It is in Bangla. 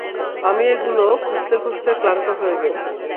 আমি এগুলো খুজতে খুজতে, ক্লান্ত হয়ে গেছি।